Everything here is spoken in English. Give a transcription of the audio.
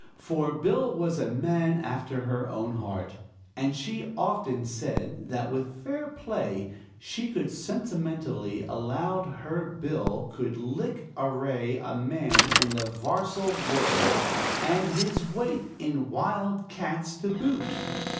For Bill was a man after her own heart; and she often said that "with fair play she sentimentally allowed her Bill could lick ary a man in the 'varsal world, and his weight in wild cats to boot."